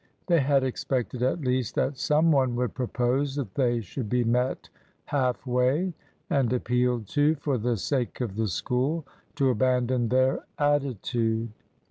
They had expected at least that some one would propose that they should be met half way, and appealed to, for the sake of the School, to abandon their attitude.